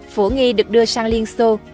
phổ nghi được đưa sang liên xô